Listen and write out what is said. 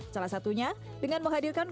salah satunya dengan menghadirkan